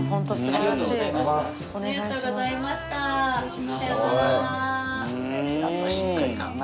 ありがとうございましたさよなら。